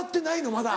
まだ。